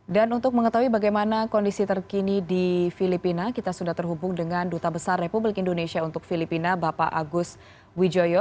dan untuk mengetahui bagaimana kondisi terkini di filipina kita sudah terhubung dengan duta besar republik indonesia untuk filipina bapak agus wijoyo